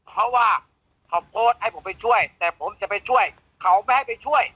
เพราะว่าเขาโพสต์ให้ผมไปช่วยแต่ผมจะไปช่วยเขาไม่ให้ไปช่วย